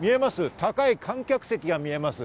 高い観客席が見えます。